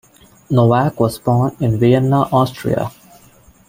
Nowak was born in Vienna, Austria.